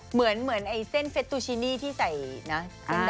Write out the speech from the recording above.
เหมือนอันเส้นเฟซตูชินีที่ใส่กริมดำเนี่ย